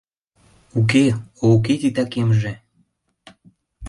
уке о уке титакемже